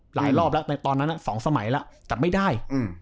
หลายรอบแล้วในตอนนั้น๒สมัยแล้วแต่ไม่ได้